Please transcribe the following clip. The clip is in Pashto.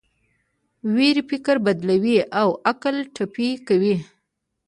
ویرې فکر بدلوي او عقل ټپي کوي.